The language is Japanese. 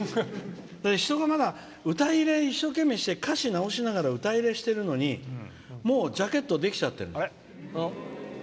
人が、歌入れを一生懸命して歌詞、直しながら歌入れしているのにもうジャケットできちゃってんの。